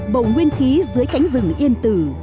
bầu nguyên khí dưới cánh rừng yên tử